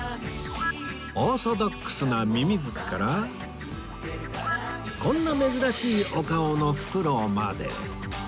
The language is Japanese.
オーソドックスなミミズクからこんな珍しいお顔のふくろうまで